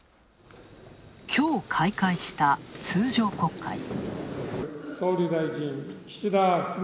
きょう開会した通常国会。